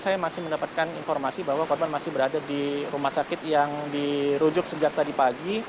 saya masih mendapatkan informasi bahwa korban masih berada di rumah sakit yang dirujuk sejak tadi pagi